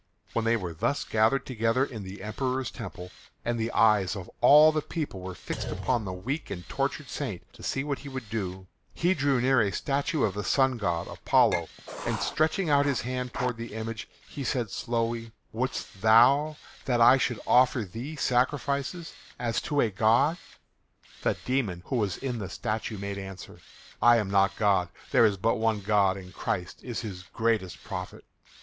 When they were thus gathered together in the Emperor's temple, and the eyes of all the people were fixed upon the weak and tortured saint to see what he would do, he drew near a statue of the sun god Apollo, and stretching out his hand toward the image he said slowly, "Wouldst thou that I should offer thee sacrifices as to a god?" The demon who was in the statue made answer, "I am not God. There is but one God and Christ is his greatest prophet."